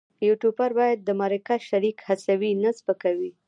یوټوبر باید د مرکه شریک هڅوي نه سپکوي.